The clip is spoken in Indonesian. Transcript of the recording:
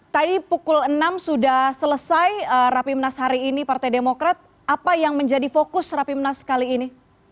tadi pukul enam sudah selesai rapimnas hari ini partai demokrat apa yang menjadi fokus rapimnas kali ini